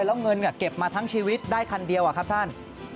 แล้วเงินเก็บมาทั้งชีวิตได้คันเดียวอะครับท่าน